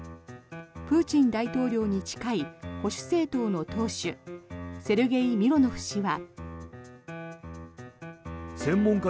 プーチン大統領に近い保守政党の党首セルゲイ・ミロノフ氏は。